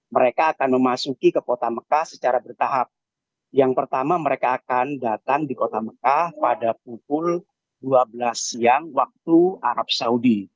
mereka akan memasuki ke kota mekah secara bertahap yang pertama mereka akan datang di kota mekah pada pukul dua belas siang waktu arab saudi